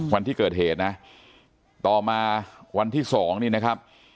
วันที่เกิดเหตุนะต่อมาวันที่๒นี่นะครับ